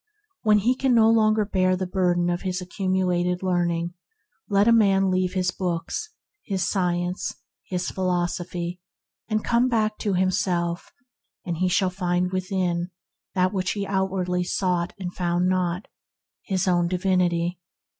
When he can no longer bear the burden of his accumulated learning, let a man leave his books, his science, his philosophy, and come back to himself; and he shall find within, THE DIVINE CENTRE 91 what he outwardly sought and found not— his own divinity.